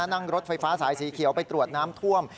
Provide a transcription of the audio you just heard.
นั่งรถไฟฟ้าสายสีเขียวไปตรวจน้ำท่วม